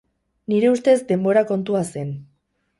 Nire ustez denbora kontua zen.